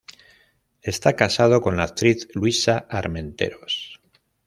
Está casado con la actriz Luisa Armenteros.